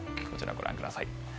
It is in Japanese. こちらをご覧ください。